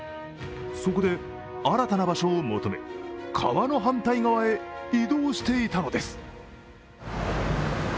そこで新たな場所を求め、川の反対側へ移動していたのです。